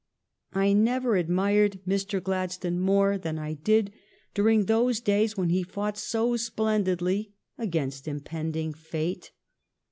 I never admired Mr. Gladstone more than I did during those days when he fought so splen didly against impending fate.